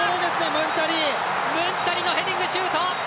ムンタリのヘディングシュート！